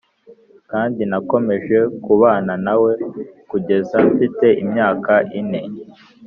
kandi nakomeje kubana na we kugeza mfite imyaka ine